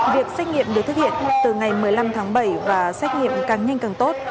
việc xét nghiệm được thực hiện từ ngày một mươi năm tháng bảy và xét nghiệm càng nhanh càng tốt